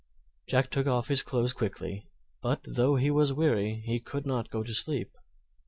Jack took off his clothes quickly, but though he was weary he could not go to sleep.